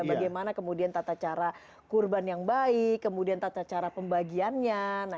bagaimana kemudian tata cara kurban yang baik kemudian tata cara pembagiannya